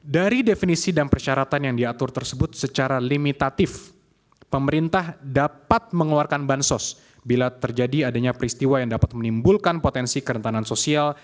dari definisi dan persyaratan yang diatur tersebut secara limitatif pemerintah dapat mengeluarkan bansos bila terjadi adanya peristiwa yang dapat menimbulkan potensi kerentanan sosial